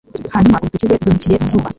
Hanyuma urutoki rwe rwimukiye mu zuba,